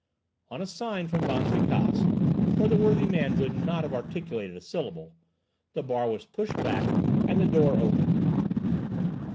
On a sign from Van Tricasse—for the worthy man could not have articulated a syllable—the bar was pushed back and the door opened.